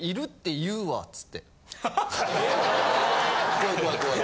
怖い怖い怖い。